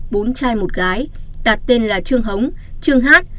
bốn trai một gái đặt tên là trương hống trương hát